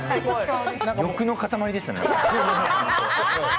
欲の塊でしたね。